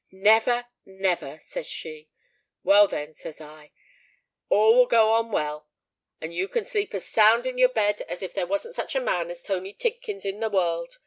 —'Never, never,' says she.—'Well, then,' says I, '_all will go on well; and you can sleep as sound in your bed as if there wasn't such a man as Tony Tidkins in the world.